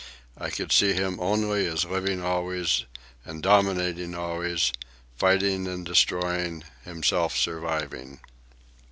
I could see him only as living always, and dominating always, fighting and destroying, himself surviving.